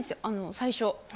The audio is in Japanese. あの最初。